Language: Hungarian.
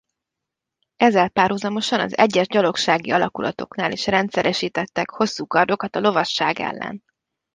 Ezzel párhuzamosan az egyes gyalogsági alakulatoknál is rendszeresítettek hosszú kardokat a lovasság ellen.